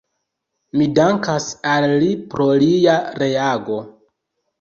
Mi dankas al li pro lia reago.